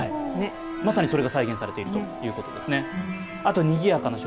まさにそれが再現されているということですね。